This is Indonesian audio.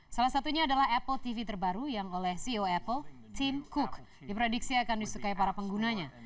salah satunya adalah apple tv terbaru yang oleh ceo apple team cook diprediksi akan disukai para penggunanya